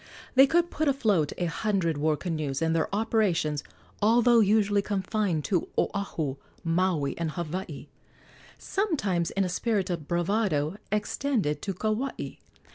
They could put afloat a hundred war canoes, and their operations, although usually confined to Oahu, Maui, and Hawaii, sometimes in a spirit of bravado extended to Kauai.